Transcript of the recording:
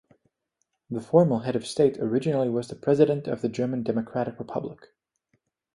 The formal head of state originally was the President of the German Democratic Republic.